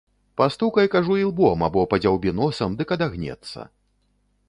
Пастукай, кажу, ілбом або падзяўбі носам, дык адагнецца.